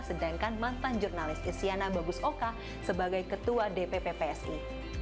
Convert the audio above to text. sedangkan mantan jurnalis isyana bagusoka sebagai ketua dpp psi